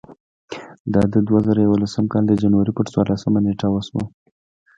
دا د دوه زره یولسم کال د جنورۍ پر څوارلسمه نېټه وشوه.